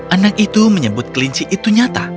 anak itu menyebut kelinci itu nyata